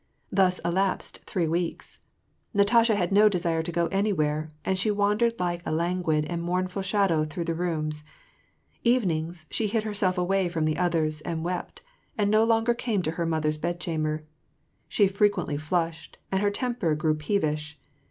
Thus elapsed three weeks. Natasha had no desire to go any where, and she wandered like a languid and mournful shadow through the rooms : evenings, she hid herself away from the others, and wept, and no longer came to her mother's bed chamber. She frequently flushed, and her temper grew peev ish.